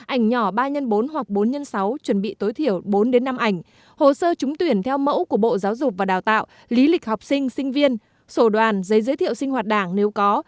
ảnh nhỏ ba x bốn hoặc bốn x sáu chuẩn bị tối thiểu bốn năm ảnh hồ sơ trúng tuyển theo mẫu của bộ giáo dục và đào tạo lý lịch học sinh sinh viên sổ đoàn giấy giới thiệu sinh hoạt đảng nếu có